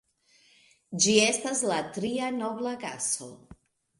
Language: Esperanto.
Ĝi estas la tria nobla gaso.